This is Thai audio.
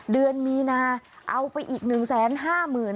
เดือนมีนาเอาไปอีก๑๕๐๐๐บาท